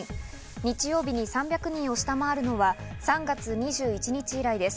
日曜日に３００人を下回るのは３月２１日以来です。